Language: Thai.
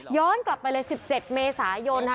กลับไปเลย๑๗เมษายนค่ะ